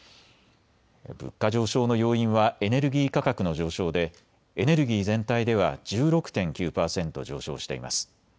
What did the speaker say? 物価上昇の要因はエネルギー価格の上昇でエネルギー全体では１６．９％上昇しています。